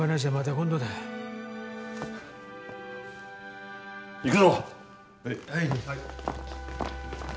はい。